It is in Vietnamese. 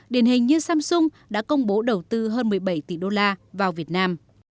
điển hình như samsung đã công bố đầu tư hơn một mươi bảy tỷ đô la vào việt nam